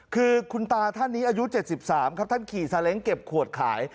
คือคุณตาท่านนี้อายุ๗๓ครับท่านขี่ซาเล้งเก็บขวดขาย